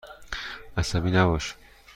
عصبی نباش.